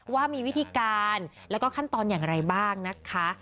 ว่ามีวิธีการแล้วก็ขั้นตอนอย่างไรบ้างนะคะ